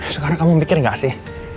sekarang kamu mikir gak sih